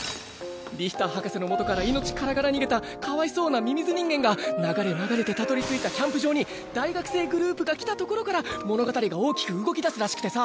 リヒター博士のもとから命からがら逃げたかわいそうなミミズ人間が流れ流れてたどりついたキャンプ場に大学生グループが来たところから物語が大きく動きだすらしくてさ。